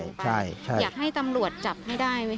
อยากให้ตำรวจจับให้ได้ไหมค